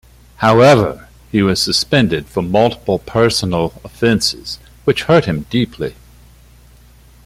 However, he was suspended for multiple personal offenses, which hurt him deeply.